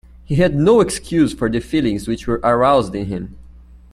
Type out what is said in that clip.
He had no excuse for the feelings which were aroused in him.